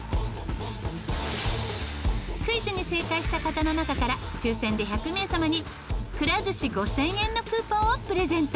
クイズに正解した方の中から抽選で１００名様にくら寿司５０００円のクーポンをプレゼント。